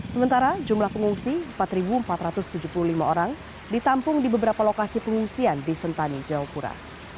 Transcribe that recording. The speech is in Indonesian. sementara jumlah pengungsi empat empat ratus tujuh puluh lima orang ditampung di beberapa lokasi pengungsian di sentani jayapura